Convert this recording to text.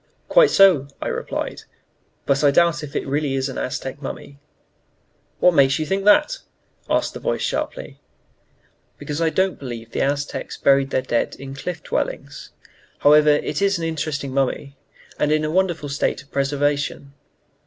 "Quite so," I replied. "But I doubt if it is really an Aztec mummy." "What makes you think that?" asked the voice sharply. "Because I don't believe the Aztecs buried their dead in Cliff Dwellings. However, it is an interesting mummy, and in a wonderful state of preservation."